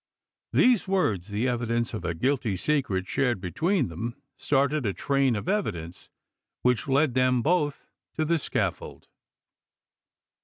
These words, the evidence of a guilty secret shared between them, started a train of evidence which led them both to the scaffold.